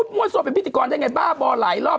มั่วโซเป็นพิธีกรได้ไงบ้าบอหลายรอบ